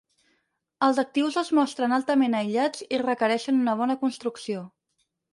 Els actius es mostren altament aïllats i requereixen una bona construcció.